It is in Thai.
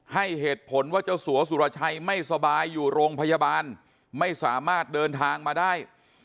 ให้เหตุผลว่าเจ้าสัวสุรชัยไม่สบายอยู่โรงพยาบาลไม่สามารถเดินทางมาได้